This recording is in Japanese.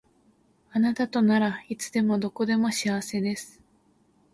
あなたとならいつでもどこでも幸せです